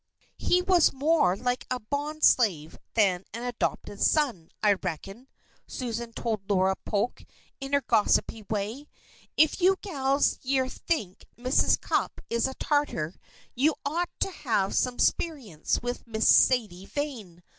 "He was more like a bond slave than an adopted son, I reckon," Susan told Laura Polk, in her gossipy way. "If you gals yere think Mrs. Cupp is a Tartar, yo'd ought to have some 'sperience with Miss Sadie Vane.